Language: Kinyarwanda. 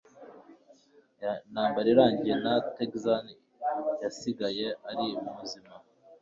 Intambara irangiye, nta Texan yasigaye ari muzima.